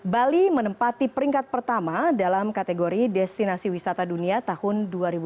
bali menempati peringkat pertama dalam kategori destinasi wisata dunia tahun dua ribu dua puluh